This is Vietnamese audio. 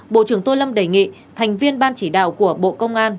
bộ trưởng tô lâm đề nghị thành viên ban chỉ đạo của bộ công an